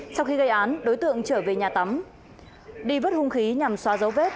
sau khi gây án đối tượng trở về nhà tắm đi vứt hung khí nhằm xóa dấu vết